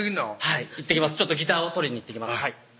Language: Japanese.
はい行ってきますギターを取りに行ってきます